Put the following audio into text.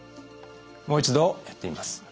もう一度やってみます。